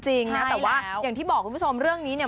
จริงนะแต่ว่าอย่างที่บอกคุณผู้ชมเรื่องนี้เนี่ย